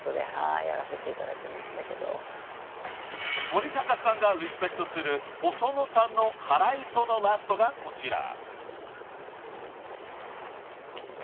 ［森高さんがリスペクトする細野さんの『はらいそ』のラストがこちら］